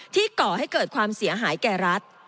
ก่อให้เกิดความเสียหายแก่รัฐ